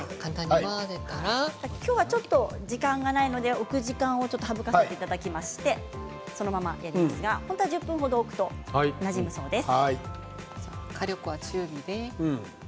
今日はちょっと時間がないので置く時間がないので省かせていただきましてそのままやりますが本当は１０分程置くとなじむそうです。